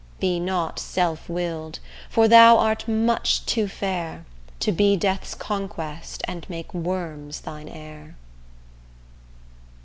Be not self will'd, for thou art much too fair To be death's conquest and make worms thine heir.